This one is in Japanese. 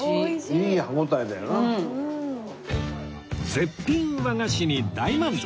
絶品和菓子に大満足！